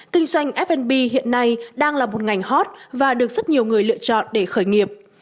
kinh doanh fnb hiện nay đang là một ngành hot và được rất nhiều người lựa chọn để khởi nghiệp